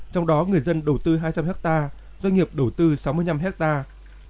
trong đó người dân đầu tư hai trăm linh hectare doanh nghiệp đầu tư sáu mươi năm hectare